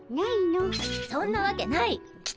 そんなわけないっ！